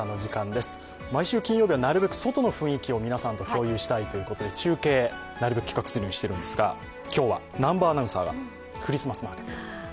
毎週金曜日はなるべく外の雰囲気を皆さんと共有したいということで中継、なるべく企画するようにしているんですが今日は南波アナウンサーがクリスマスマーケットに。